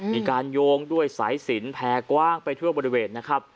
มีการโยงด้วยสายสินแพรกว้างไปทั่วบริเวณนะครับ